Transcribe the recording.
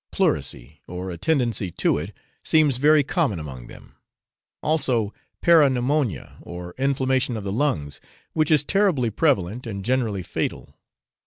Pleurisy, or a tendency to it, seems very common among them; also peri pneumonia, or inflammation of the lungs, which is terribly prevalent, and generally fatal.